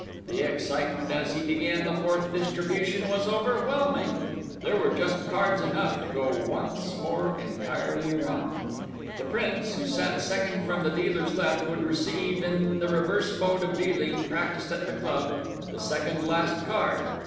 The excitement as he began the fourth distribution was overwhelming. There were just cards enough to go once more entirely round. The Prince, who sat second from the dealer's left, would receive, in the reverse mode of dealing practised at the club, the second last card.